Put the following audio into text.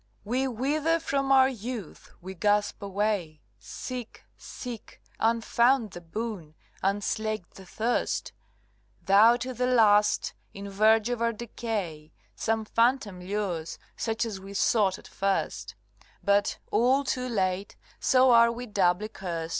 CXXIV. We wither from our youth, we gasp away Sick sick; unfound the boon, unslaked the thirst, Though to the last, in verge of our decay, Some phantom lures, such as we sought at first But all too late, so are we doubly curst.